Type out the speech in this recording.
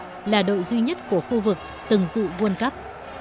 đồng ấn hà lan là đội duy nhất của khu vực từng dụ world cup